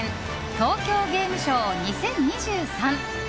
東京ゲームショウ２０２３。